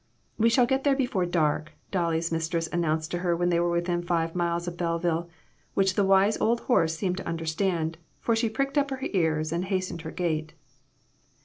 "We shall get there before dark," Dolly's mis tress announced to her when they were within five miles of Belleville, which the wise old horse seemed to understand, for she pricked up her ears and hastened her gait.